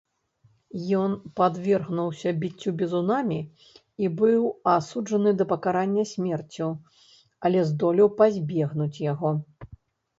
Ён падвергнуўся біццю бізунамі і быў асуджаны да пакарання смерцю, але здолеў пазбегнуць яго.